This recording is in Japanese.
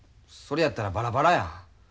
それやったらバラバラや。